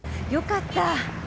よかった。